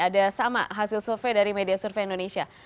ada sama hasil survei dari media survei indonesia